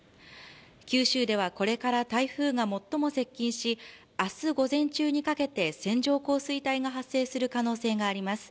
九州では、これから台風が最も接近し、明日午前中にかけて線状降水帯が発生する可能性があります。